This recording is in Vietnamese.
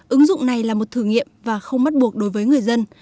ứng dụng này là một thử nghiệm và không bắt buộc đối với người dân